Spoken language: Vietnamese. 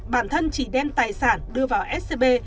bản thân chỉ đem tài sản đưa vào scb